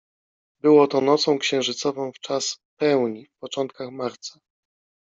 Było to nocą księżycową w czas pełni, w początkach marca.